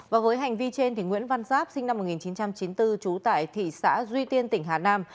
và với hành vi trên nguyễn văn giáp sinh năm một nghìn chín trăm chín mươi bốn trú tại thị xã duy tiên tỉnh hà nam